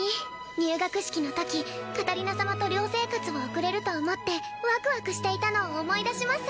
入学式のときカタリナ様と寮生活を送れると思ってワクワクしていたのを思い出します。